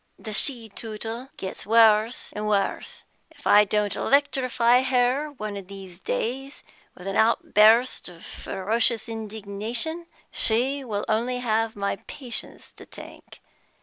The she Tootle gets worse and worse. If I don't electrify her, one of these days, with an outburst of ferocious indignation, she will only have my patience to thank.